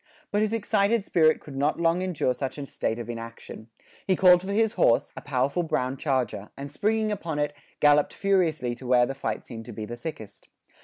But his excited spirit could not long endure such a state of inaction. He called for his horse, a powerful brown charger, and springing on it, galloped furiously to where the fight seemed to be the thickest.